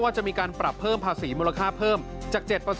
จะมีการปรับเพิ่มภาษีมูลค่าเพิ่มจาก๗